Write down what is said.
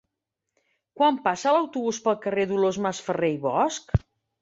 Quan passa l'autobús pel carrer Dolors Masferrer i Bosch?